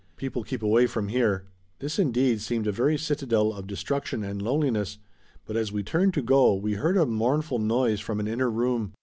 People keep away from here." This indeed seemed a very citadel of destruction and loneliness, but as we turned to go we heard a mournful noise from an inner room.